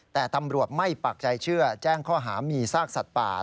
แต่ตำรวจไม่ปากใจเชื่อแจ้งข้อหามีซากสัตว์ป่า